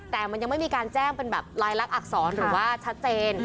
แต่มันยังไม่มีการแจ้งเป็นแบบลายลักษรหรือว่าชัดเจน